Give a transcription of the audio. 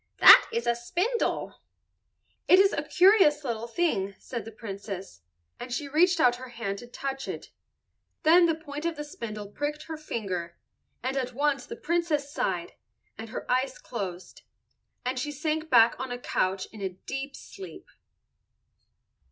"That is a spindle." "It is a curious little thing," said the Princess, and she reached out her hand to touch it. Then the point of the spindle pricked her finger, and at once the Princess sighed, and her eyes closed, and she sank back on a couch in a deep sleep.